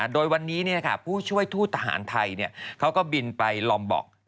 โดยวันนี้ผู้ช่วยทูตทหารไทยเขาก็บินไปลอมบอก